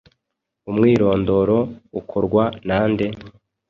Umwirondoro ukorwa na nde?